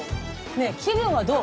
ねえ気分はどう？